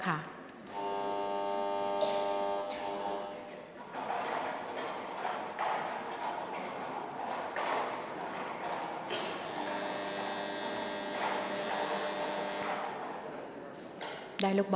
ออกรางวัลเลขหน้า๓